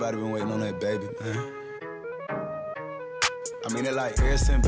makanya mundur mundur terus